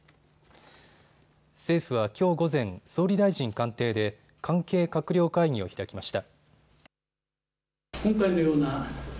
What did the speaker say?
政府はきょう午前、総理大臣官邸で関係閣僚会議を開きました。